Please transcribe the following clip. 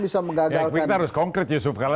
bisa mengagalkan tapi kita harus konkret yusuf kalla